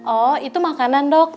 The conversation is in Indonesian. oh itu makanan dok